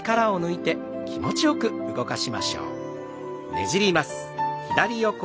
ねじります。